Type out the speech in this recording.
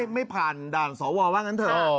ไม่ผ่านด่านสวว่างั้นเถอะ